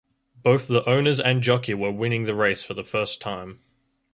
Both the owners and jockey were winning the race for the first time.